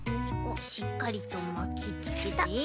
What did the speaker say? おっしっかりとまきつけた。